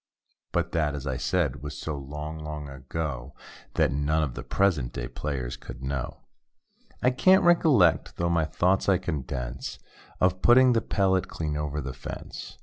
But that, as I said, was so long, long ago. That none of the present day players could know. I can't recollect (though my thoughts I condense) Of putting the pellet clean over the fence.